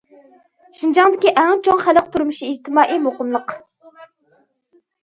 شىنجاڭدىكى ئەڭ چوڭ خەلق تۇرمۇشى ئىجتىمائىي مۇقىملىق.